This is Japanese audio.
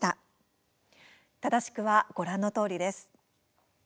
正しくは、ご覧のとおりです。